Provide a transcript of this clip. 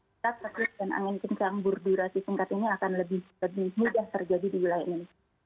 maka covid dan angin kencang berdurasi singkat ini akan lebih mudah terjadi di wilayah ini